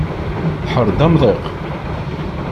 Tḥerr-d amḍiq.